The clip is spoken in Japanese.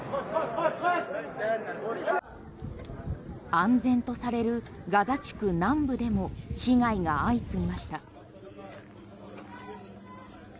安全とされるガザ地区南部でも被害が相次ぎました。